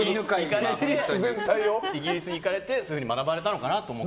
イギリスに行かれてそういうふうに学ばれたのかなと思って。